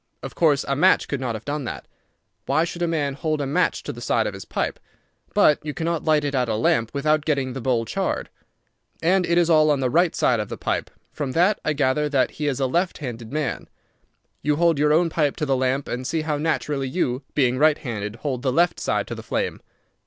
Of course a match could not have done that. Why should a man hold a match to the side of his pipe? But you cannot light it at a lamp without getting the bowl charred. And it is all on the right side of the pipe. From that I gather that he is a left handed man. You hold your own pipe to the lamp, and see how naturally you, being right handed, hold the left side to the flame.